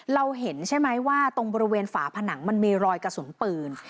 เราเห็นใช่ไหมว่าตรงบริเวณฝาผนังมันมีรอยกระสุนปืน